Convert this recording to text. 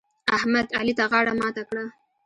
احمد؛ علي ته غاړه ماته کړه.